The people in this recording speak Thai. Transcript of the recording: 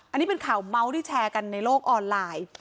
อันนี้เป็นข่าวเมาส์ที่แชร์กันในโลกออนไลน์